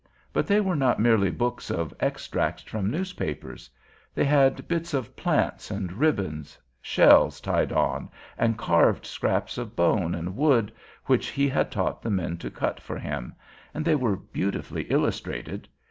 But they were not merely books of extracts from newspapers. They had bits of plants and ribbons, shells tied on, and carved scraps of bone and wood, which he had taught the men to cut for him, and they were beautifully illustrated.